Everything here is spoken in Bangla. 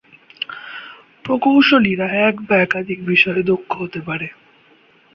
প্রকৌশলীরা এক বা একাধিক বিষয়ে দক্ষ হতে পারে।